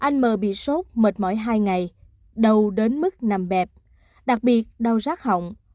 nốt mệt mỏi hai ngày đầu đến mức nằm bẹp đặc biệt đau rác hỏng